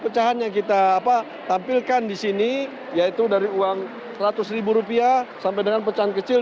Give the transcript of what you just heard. pecahan yang kita apa tampilkan disini yaitu dari uang seratus rupiah sampai dengan pecahan kecil